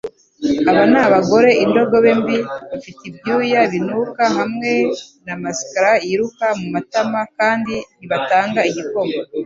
Aba ni abagore-indogobe mbi bafite ibyuya binuka hamwe na mascara yiruka mumatama kandi ntibatanga igikoma